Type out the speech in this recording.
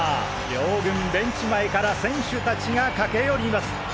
両軍ベンチ前から選手達が駆け寄ります！